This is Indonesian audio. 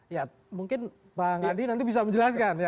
ya mungkin pak andi nanti bisa menjelaskan ya